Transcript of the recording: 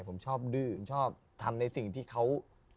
ผมชอบดื้อผมชอบทำในสิ่งที่เขา